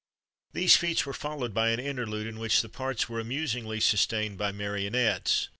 [XXXV 91] These feats were followed by an interlude, in which the parts were amusingly sustained by marionettes.